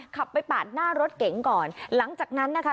ขับไปปาดหน้ารถเก๋งก่อนหลังจากนั้นนะคะ